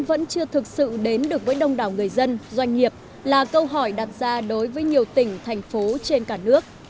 vẫn chưa thực sự đến được với đông đảo người dân doanh nghiệp là câu hỏi đặt ra đối với nhiều tỉnh thành phố trên cả nước